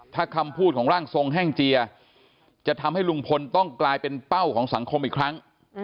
ถ้าคำพูดของร่างทรงแห้งเจียจะทำให้ลุงพลต้องกลายเป็นเป้าของสังคมอีกครั้ง